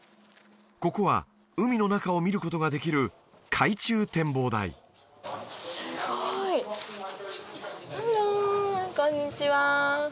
ここは海の中を見ることができるすごいハローこんにちは